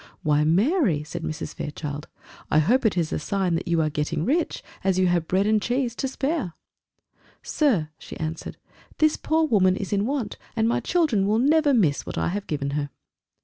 "Why, Mary," said Mr. Fairchild, "I hope it is a sign that you are getting rich, as you have bread and cheese to spare." "Sir," she answered, "this poor woman is in want, and my children will never miss what I have given her."